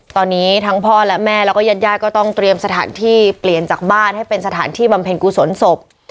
ตอนนี้ทั้งพ่อและแม่แล้วก็ญาติญาติก็ต้องเตรียมสถานที่เปลี่ยนจากบ้านให้เป็นสถานที่บำเพ็ญกุศลศพ